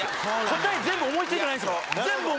答え全部思いついてない。